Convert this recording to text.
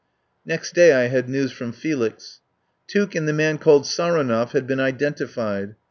Next day I had news from Felix. Tuke and the man called Saronov had been identi fied.